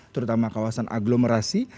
terutama kawasan agglomerasi